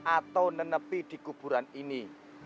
atau nenepi di kuburan ini